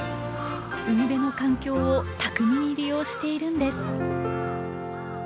海辺の環境を巧みに利用しているんです。